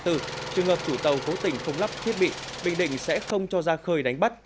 trường hợp chủ tàu cố tình không lắp thiết bị bình định sẽ không cho ra khơi đánh bắt